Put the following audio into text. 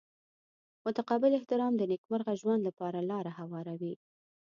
متقابل احترام د نیکمرغه ژوند لپاره لاره هواروي.